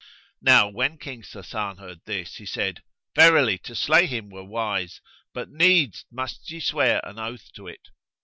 Now when King Sasan heard this, he said, "Verily, to slay him were wise; but needs must ye swear an oath to it."